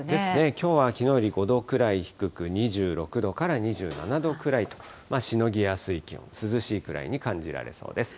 きょうはきのうより５度ぐらい低く２６度から２７度くらいと、しのぎやすい気温、涼しいくらいに感じられそうです。